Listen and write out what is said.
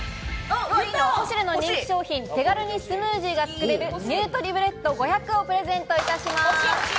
ポシュレの人気商品、手軽にスムージーがつくれるニュートリブレット５００をプレゼントいたします。